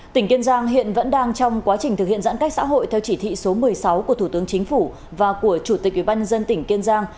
tỉnh kiên giang hiện vẫn đang trong quá trình thực hiện giãn cách xã hội theo chỉ thị số một mươi sáu của thủ tướng chính phủ và của chủ tịch ubnd tỉnh kiên giang